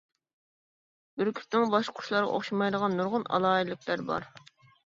بۈركۈتنىڭ باشقا قۇشلارغا ئوخشىمايدىغان نۇرغۇن ئالاھىدىلىكلەر بار.